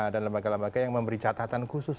dan lembaga lembaga yang memberi catatan khusus